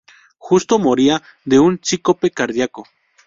Justo moría de un síncope cardíaco.